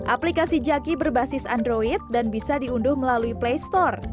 aplikasi jaki berbasis android dan bisa diunduh melalui play store